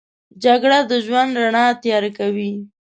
جګړه د ژوند رڼا تیاره کوي